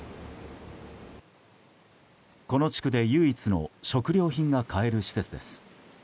この地区で唯一の食料品が買える施設です。